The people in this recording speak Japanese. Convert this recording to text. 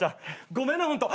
ごめんねホント。